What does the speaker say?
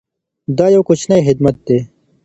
دا یو کوچنی خدمت دی.